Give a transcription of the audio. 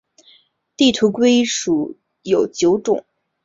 地图龟属有九个种。